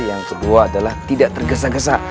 yang kedua adalah tidak tergesa gesa